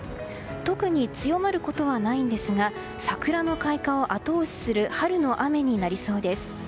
特に強まることはないんですが桜の開花を後押しする春の雨になりそうです。